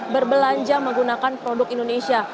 berbelanja menggunakan produk indonesia